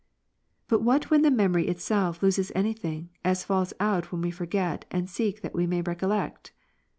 But what when the memory itself loses any thing, as falls out when we forget and seek that we may recol lect?